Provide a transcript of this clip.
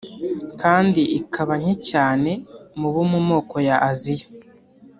kandi ikaba nke cyane mu bo mu moko yo muri Aziya